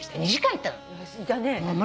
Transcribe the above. いたね。